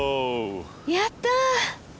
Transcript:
やった。